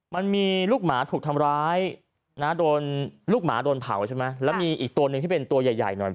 มันมีลูกหมาถูกทำร้ายนะโดนลูกหมาโดนเผาใช่ไหมแล้วมีอีกตัวหนึ่งที่เป็นตัวใหญ่ใหญ่หน่อย